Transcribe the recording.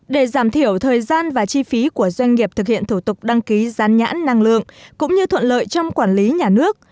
để giảm thiểu thời gian và chi phí của doanh nghiệp thực hiện thủ tục đăng ký gián nhãn năng lượng cũng như thuận lợi trong quản lý nhà nước